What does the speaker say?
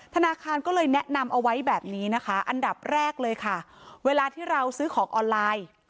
ธนาคารก็เลยแนะนำเอาไว้แบบนี้นะคะอันดับแรกเลยค่ะเวลาที่เราซื้อของออนไลน์